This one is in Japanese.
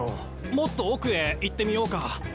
もっと奥へ行ってみようか。